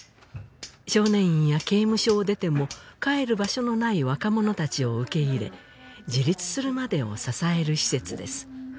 少年院や刑務所を出ても帰る場所のない若者たちを受け入れ自立するまでを支える施設です